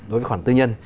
đối với khoản tư nhân